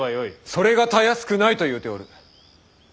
それがたやすくないと言うておる。